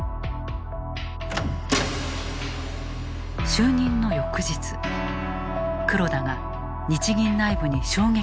就任の翌日黒田が日銀内部に衝撃を与える。